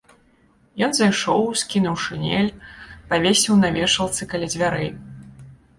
Ён зайшоў, скінуў шынель, павесіў на вешалцы каля дзвярэй.